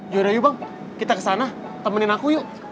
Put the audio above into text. juara yuk bang kita kesana temenin aku yuk